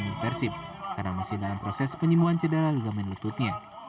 di persib karena masih dalam proses penyembuhan cedera ligamen lututnya